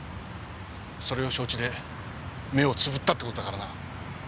それを承知で目をつぶったって事だからな。